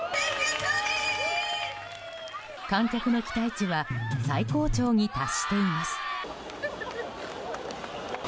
観客の期待値は最高潮に達しています。